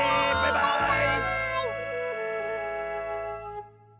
バイバーイ！